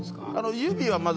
指はまず。